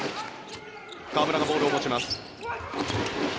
河村がボールを持ちます。